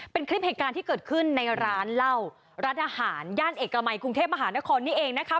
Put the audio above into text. เป็นคลิปเหตุการณ์ที่เกิดขึ้นในร้านเหล้าร้านอาหารย่านเอกมัยกรุงเทพมหานครนี่เองนะคะ